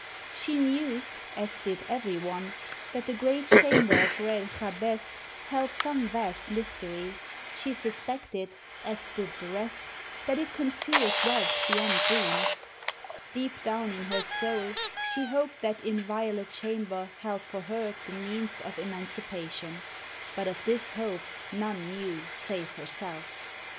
She knew, as did every one, that the great chamber of Red Jabez held some vast mystery; she suspected, as did the rest, that it concealed wealth beyond dreams; deep down in her soul she hoped that inviolate chamber held for her the means of emancipation; but of this hope, none knew save herself.